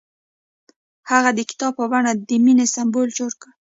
هغه د کتاب په بڼه د مینې سمبول جوړ کړ.